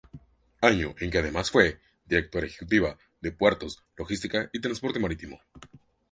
Año en el que además fue Directora Ejecutiva de Puertos, Logística y Transporte Marítimo.